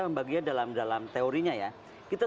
membaginya dalam dalam teorinya ya kita